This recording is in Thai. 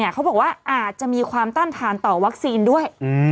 เขาบอกว่าอาจจะมีความต้านทานต่อวัคซีนด้วย